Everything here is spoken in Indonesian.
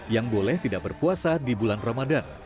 yang boleh tidak berpuasa di bulan ramadan